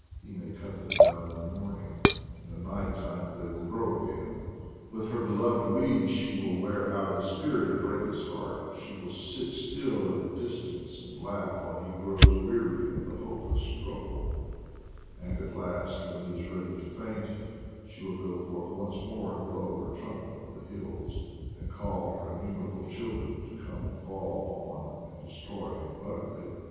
He may cut them THE WAE WITH NATURE 89 down in the morning, in the night time they will grow again. With her beloved weeds she will wear out his spirit and break his heart; she will sit still at a distance and laugh while he grows weary of the hopeless struggle ; and, at last, when he is ready to faint, she will go forth once more and blow her trumpet on the hills and call her in numerable children to come and fall on and de stroy him utterly.